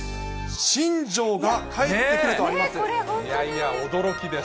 新庄が帰ってくると思います。